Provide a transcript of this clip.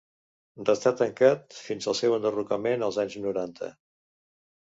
Restà tancat fins al seu enderrocament als anys noranta.